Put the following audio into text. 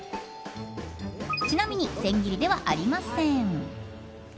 ちなみに千切りではありません。